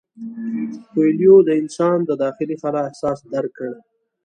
کویلیو د انسان د داخلي خلا احساس درک کړ.